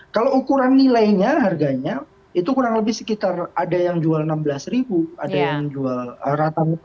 kalau ukuran nilainya harganya itu kurang lebih sekitar ada yang jual rp enam belas ada yang jual rata rata